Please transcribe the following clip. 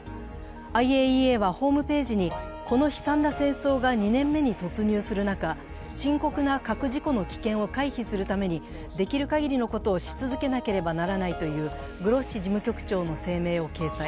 ＩＡＥＡはホームページにこの悲惨な戦争が２年目に突入する中、深刻な核事故の危険を回避するためにできる限りのことをし続けなければならないというグロッシ事務局長の声明を掲載。